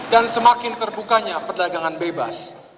dan semakin terbukanya perdagangan bebas